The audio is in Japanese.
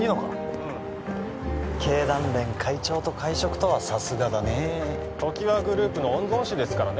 うん経団連会長と会食とはさすがだね常盤グループの御曹司ですからね